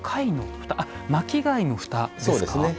巻き貝のふたですか。